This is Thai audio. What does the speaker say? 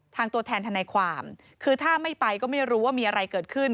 ตัวแทนทนายความคือถ้าไม่ไปก็ไม่รู้ว่ามีอะไรเกิดขึ้น